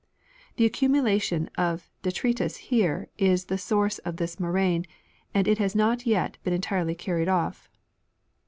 . The accumulation of detritus here is the source of this moraine, and it has not yet been entirely carried off.